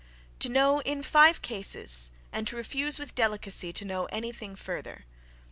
To know in five cases, and to refuse, with delicacy, to know anything further....